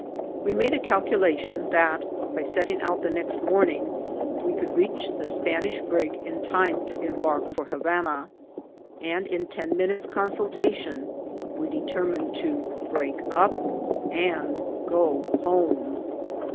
We made a calculation that, by setting out the next morning, we could reach the BREAKING UP. 419 Spanish brig in time to embark for Havana, and in ten minutes' consultation we determined to break up and go home.